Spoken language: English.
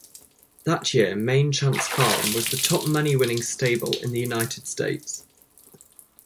That year, Maine Chance Farm was the top money-winning stable in the United States.